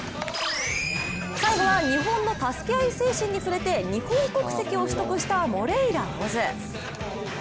最後は、日本の助け合い精神に触れて日本国籍を取得した茂怜羅オズ。